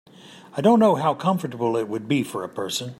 I don’t know how comfortable it would be for a person.